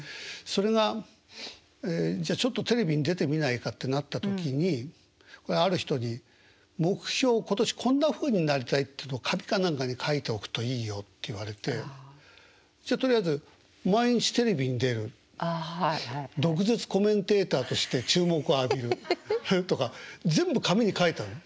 それがじゃあちょっとテレビに出てみないかってなった時にある人に目標を今年こんなふうになりたいっていうのを紙か何かに書いておくといいよって言われてじゃとりあえず「毎日テレビに出る」「毒舌コメンテーターとして注目を浴びる」とか全部紙に書いたの。